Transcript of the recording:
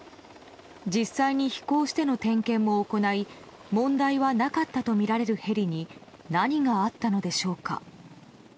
実際に飛行しての点検も行い問題はなかったとみられるヘリに何があったのでしょうか。